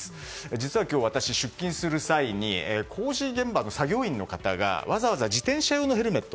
実は今日、私出勤する際に工事現場で作業員の方はわざわざ自転車用のヘルメット。